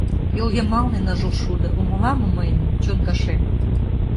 Йол йымалне ныжыл шудо Умыла мо мыйын чон кашем?